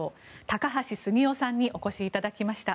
高橋杉雄さんにお越しいただきました。